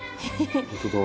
本当だ。